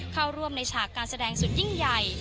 เข้าร่วมในฉากการแสดงสุดยิ่งใหญ่